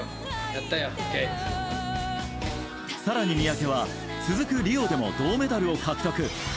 更に三宅は続くリオでも銅メダルを獲得。